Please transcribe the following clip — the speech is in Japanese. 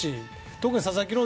特に佐々木朗